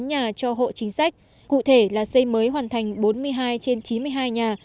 sáu trăm sáu mươi chín nhà cho hộ chính sách cụ thể là xây mới hoàn thành bốn mươi hai trên chín mươi hai nhà